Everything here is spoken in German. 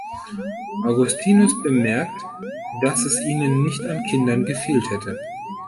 Augustinus bemerkt, dass es ihnen nicht an Kindern gefehlt hätte.